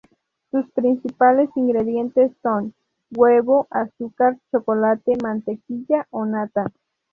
Sus principales ingredientes son huevo, azúcar, chocolate, mantequilla o nata.